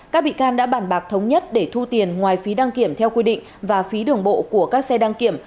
các bị can đã bản bạc thống nhất để thu tiền ngoài phí đăng kiểm theo quy định và phí đường bộ của các xe đăng kiểm